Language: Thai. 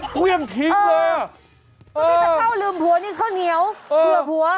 อ๋ออ๋อข้าวเลืมผัวนี่ข้าวเหนียว